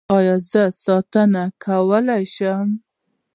ایا زه ستنه لګولی شم؟